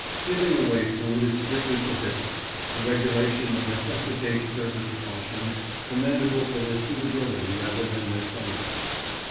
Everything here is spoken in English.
Giving away food is strictly prohibited—a regulation that necessitates certain precautions, commendable for their suitability rather than their cleanliness.